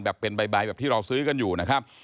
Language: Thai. เป็นใบแบบที่เราซื้อกันอยู่นะครับ